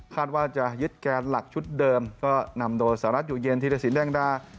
คาดว่าจะยึดแกนหลักชุดเดิมก็นำโดยสารรัฐอยู่เย็นที่รักษีแร่งด้า